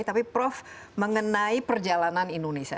tapi prof mengenai perjalanan indonesia